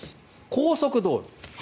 高速道路。